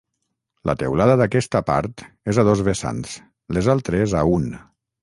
La teulada d'aquesta part és a dos vessants, les altres a un.